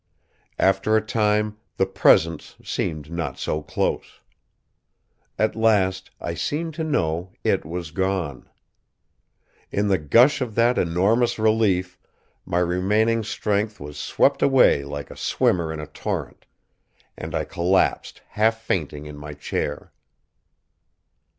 After a time, the presence seemed not so close. At last, I seemed to know It was gone. In the gush of that enormous relief my remaining strength was swept away like a swimmer in a torrent and I collapsed half fainting in my chair.